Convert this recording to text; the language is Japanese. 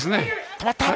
止まった。